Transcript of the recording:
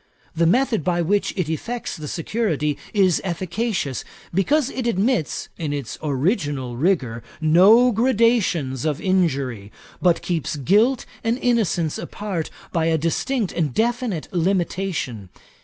The method by which it effects the security is efficacious, because it admits, in its original rigour, no gradations of injury; but keeps guilt and innocence apart, by a distinct and definite limitation.